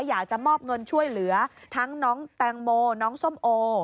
อยากจะมอบเงินช่วยเหลือทั้งน้องแตงโมน้องส้มโอ